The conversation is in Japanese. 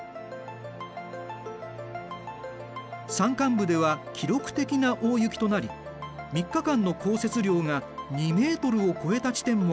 山間部では記録的な大雪となり３日間の降雪量が２メートルを超えた地点もある。